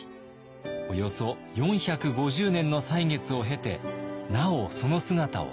およそ４５０年の歳月を経てなおその姿をとどめています。